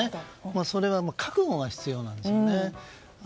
それは覚悟が必要なんですよね。